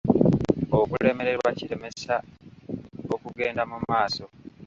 Okulemererwa kiremesa okugenda mu maaso.